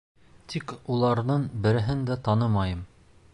Тик уларҙың береһен дә танымайым.